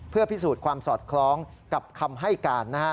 เพื่อพิสูจน์ความสอดคล้องกับคำให้การนะฮะ